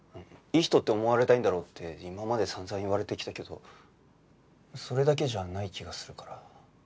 「いい人って思われたいんだろう」って今まで散々言われてきたけどそれだけじゃない気がするから。